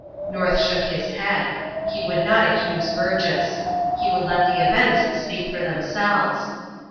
North shook his head. He would not accuse Burgess. He would let the events speak for themselves.